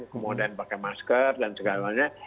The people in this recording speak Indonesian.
kemudian pakai masker dan segala lainnya